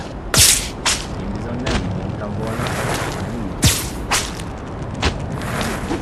Én bizony nem így mondtam volna, hanem úgy!